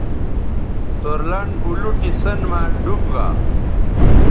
سور لنڈ اولوٹی سیئن مہ ڈوب گا